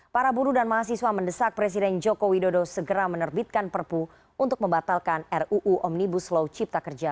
para buruh dan mahasiswa mendesak presiden joko widodo segera menerbitkan perpu untuk membatalkan ruu omnibus law cipta kerja